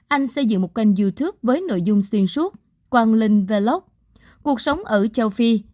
anh xây dựng một kênh youtube với nội dung xuyên suốt hoàng linh vlog cuộc sống ở châu phi